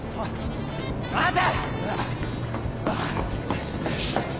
待て！